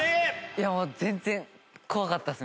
いやもう全然怖かったです